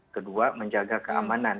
kedua menjaga keamanan